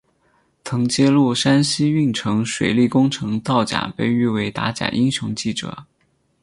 曾揭露山西运城水利工程造假被誉为打假英雄记者。